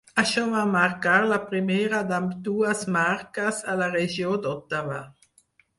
Això va marcar la primera d'ambdues marques a la regió d'Ottawa.